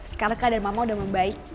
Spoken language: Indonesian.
sekarang keadaan mama udah membaik